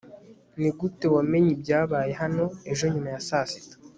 nigute wamenye ibyabaye hano ejo nyuma ya saa sita